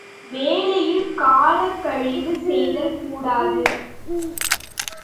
வேலையில் காலக்கழிவு செய்தல் கூடாது.